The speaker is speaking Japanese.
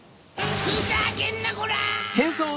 ふざけんなこら！